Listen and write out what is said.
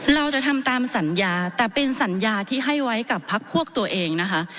เราจะทำตามสัญญาแต่เป็นสัญญาที่ให้ไว้กับพักพวกตัวเองนะคะ